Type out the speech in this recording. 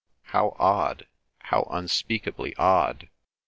How odd! How unspeakably odd!